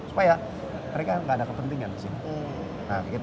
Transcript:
supaya mereka nggak ada kepentingan di sini